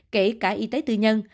kể cả y tế tư nhân